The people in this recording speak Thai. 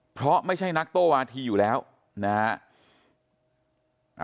เพราะไม่ใช่นักโต้วาธีอยู่แล้วนะฮะ